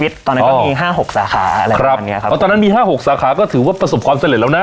ตอนนั้นก็มีห้าหกสาขาครับตอนนั้นมีห้าหกสาขาก็ถือว่าประสบความเสร็จแล้วนะ